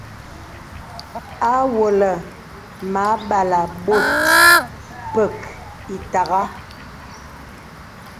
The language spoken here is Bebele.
Awɔ̄lə̀ mə âbalə̀ bòt pək ìtagha.